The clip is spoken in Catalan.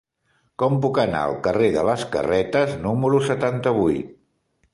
Com puc anar al carrer de les Carretes número setanta-vuit?